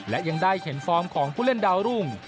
และยังได้เห็นฟอร์มของผู้เล่นดาวรุ่ง